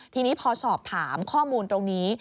ทีนี้พอสอบถามข้อมูลตรงนี้